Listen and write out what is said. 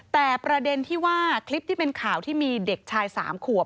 แต่ประเด็นที่ว่าคลิปที่เป็นข่าวที่มีเด็กชาย๓ขวบ